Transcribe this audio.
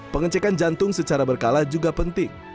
pengecekan jantung secara berkala juga penting